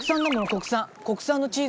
国産のチーズ！